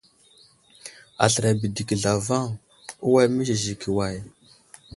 Aslər abədeki zlavaŋ, uway məziziki way ?